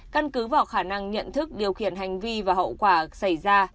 căn cứ vào khả năng nhận thức điều khiển hành vi và hậu quả xảy ra